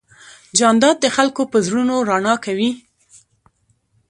جانداد د خلکو په زړونو رڼا کوي.